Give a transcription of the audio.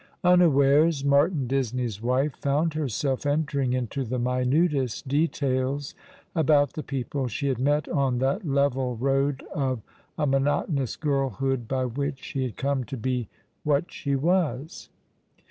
Unawares Martin Disney's wife found herself entering into the minutest details about the people she had met on that level road of a monotonous girlhood by which she had come to be what she was.